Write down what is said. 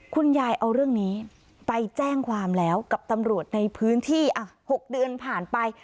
คุณยายเอาเรื่องนี้ไปแจ้งความแล้วกับตำรวจในพื้นที่๖เดือนผ่านไป